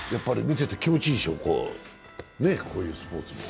見てて気持ちいいでしょう、こういうスポーツも。